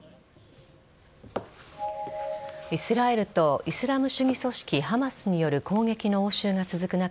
イスラエルとイスラム主義組織・ハマスによる攻撃の応酬が続く中